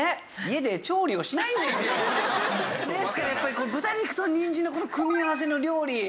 ですからやっぱり豚肉とにんじんの組み合わせの料理